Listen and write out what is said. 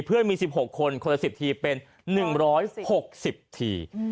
เพื่อนมี๑๖คนคนละ๑๐ทีเป็น๑๖๐ที